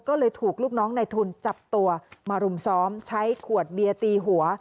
ก็เลยถูกลูกน้องในทุนจับตัวมารุมซ้อมใช้ขวดเบียร์ตีหัว